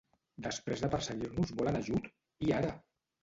Després de perseguir-nos volen ajut?, i ara!